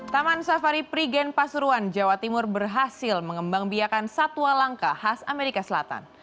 taman safari prigen pasuruan jawa timur berhasil mengembang biakan satwa langka khas amerika selatan